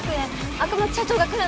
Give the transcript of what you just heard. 赤松社長が来る前に。